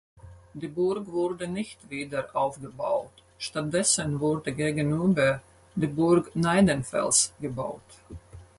Die Burg wurde nicht wieder aufgebaut, stattdessen wurde gegenüber die Burg Neidenfels gebaut.